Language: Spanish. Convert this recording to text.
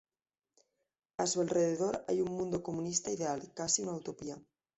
A su alrededor hay un mundo comunista ideal, casi una utopía.